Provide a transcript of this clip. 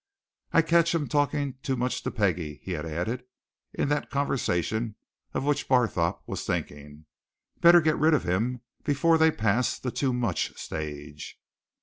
"I catch him talking too much to Peggie," he had added, in that conversation of which Barthorpe was thinking. "Better get rid of him before they pass the too much stage."